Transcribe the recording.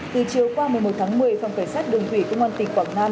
từ chiều qua một mươi một tháng một mươi phòng cảnh sát đường thủy công an tỉnh quảng nam